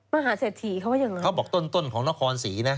มหาเศรษฐีเขาว่าอย่างไร